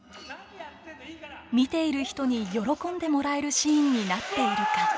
見ている人に喜んでもらえるシーンになっているか。